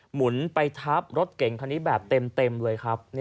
หมุนไปทับรถเก่งคันนี้แบบเต็มเลยครับ